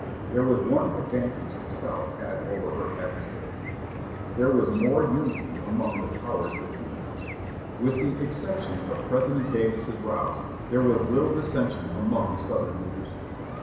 There was one advantage the South had over her adversary: there was more unity among "the powers that be." With the exception of President Davis's rows, there was little dissension among the Southern leaders.